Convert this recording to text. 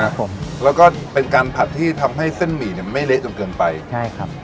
ครับผมแล้วก็เป็นการผัดที่ทำให้เส้นหมี่เนี้ยมันไม่เละจนเกินไปใช่ครับ